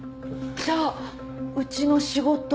じゃあうちの仕事も。